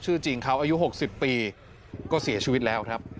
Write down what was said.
จริงเขาอายุ๖๐ปีก็เสียชีวิตแล้วครับ